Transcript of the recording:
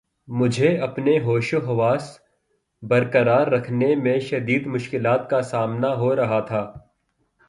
مجھے اپنے ہوش و حواس بر قرار رکھنے میں شدید مشکلات کا سامنا ہو رہا تھا